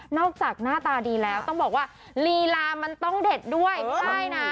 จากหน้าตาดีแล้วต้องบอกว่าลีลามันต้องเด็ดด้วยไม่ได้นะ